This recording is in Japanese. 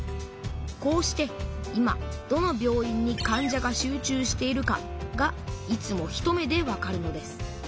こうして今どの病院に患者が集中しているかがいつも一目でわかるのです。